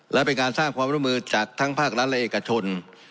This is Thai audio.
และเป็นการสร้างความร่วมมือจากทั้งภาครัฐและเอกชน